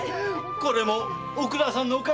これもおくらさんのお陰です。